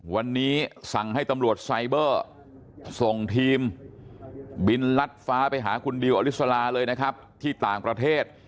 วันนี้สั่งให้ตำรวจไซเบอร์ส่งทีมบินลัดฟ้าไปหาคุณดิวอลิสลาเลยนะครับที่ต่างประเทศ